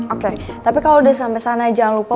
oke tapi kalo udah sampe sana jangan lupa